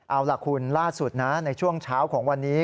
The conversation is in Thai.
เอาล่ะคุณล่าสุดนะในช่วงเช้าของวันนี้